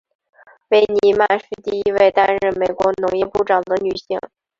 维尼曼是第一位担任美国农业部长的女性。